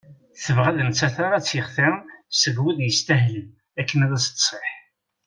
Tebɣa d nettat ara t-yextiren seg wid yestahlen akken ad as-d-tsiḥ.